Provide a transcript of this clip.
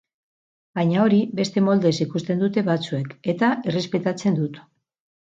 Baina hori, beste moldez ikusten dute batzuek, eta errespetatzen dut.